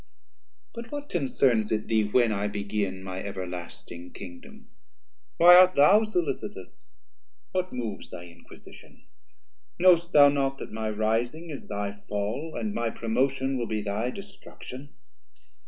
But what concerns it thee when I begin My everlasting Kingdom, why art thou Sollicitous, what moves thy inquisition? 200 Know'st thou not that my rising is thy fall, And my promotion will be thy destruction?